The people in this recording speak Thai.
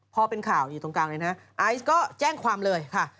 พอเป็นข่าวที่จะอยู่ตรงกลางนั้นไอซ์ก็แจ้งความห์เลยค่ะ